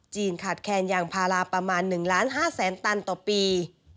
จีนขาดแคนยางพาราประมาณ๑๕๐๐๐๐๐ตันต่อปี